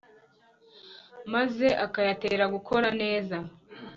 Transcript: maze akayatera gukora neza.